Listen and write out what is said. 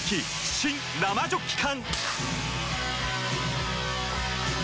新・生ジョッキ缶！